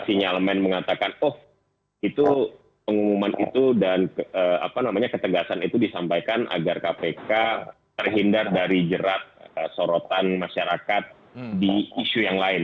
sinyalemen mengatakan oh itu pengumuman itu dan ketegasan itu disampaikan agar kpk terhindar dari jerat sorotan masyarakat di isu yang lain